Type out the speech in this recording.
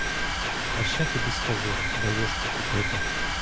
А ще тобі скажу, де ложку купити.